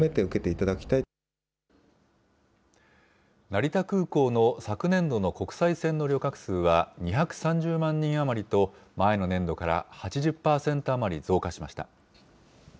成田空港の昨年度の国際線の旅客数は２３０万人余りと、前の年度から８０％余り増加しました。